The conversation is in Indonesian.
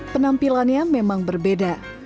penampilannya memang berbeda